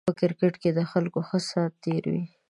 په کرکېټ کې د خلکو ښه سات تېر وي